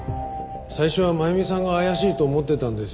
最初は真弓さんが怪しいと思ってたんですよ。